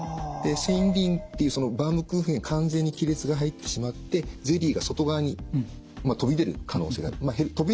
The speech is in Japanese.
線維輪っていうそのバームクーヘンに完全に亀裂が入ってしまってゼリーが外側に飛び出る可能性がある。